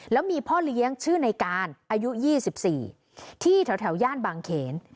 แล้วมีพ่อเลี้ยงชื่อในการอายุยี่สิบสี่ที่แถวแถวย่านบางเขน